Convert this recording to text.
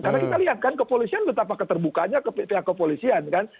karena kita lihat kan kepolisian betapa keterbukaannya ke pihak kepolisian kan